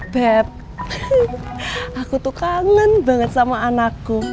bep aku tuh kangen banget sama anakku